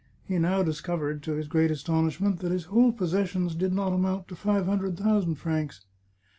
He now discovered, to his great astonishment, that his whole possessions did not amount to five hundred thousand francs.